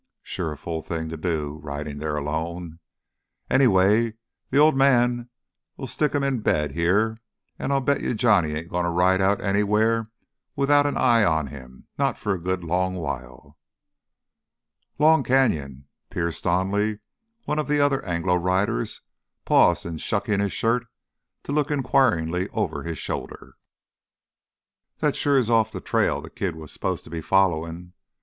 Sure a fool thing to do, ridin' there alone. Anyway, th' Old Man'll stick him into bed here, an' I'll bet you Johnny ain't gonna ride out anywhere without an eye on him—not for a good long while." "Long Canyon—" Perse Donally, one of the other Anglo riders, paused in shucking his shirt to look inquiringly over his shoulder. "That sure is off th' trail th' kid was supposed to be followin'.